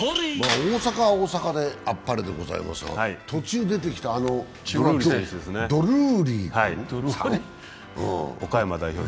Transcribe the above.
大阪は大阪であっぱれでございますが、途中出てきたドルーリーさん。